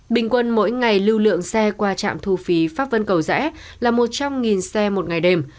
bình quân mỗi ngày lưu lượng xe qua trạm thu phí pháp vân cầu rẽ là một trăm linh xe một ngày đêm